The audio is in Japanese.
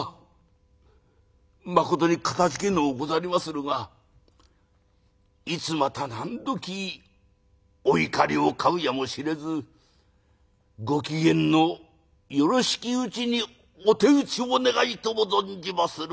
まことにかたじけのうござりまするがいつまた何時お怒りを買うやもしれずご機嫌のよろしきうちにお手討ちを願いとう存じまする」。